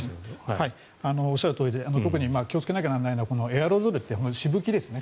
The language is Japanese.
おっしゃるとおりで特に気をつけなきゃならないのはエアロゾルというしぶきですね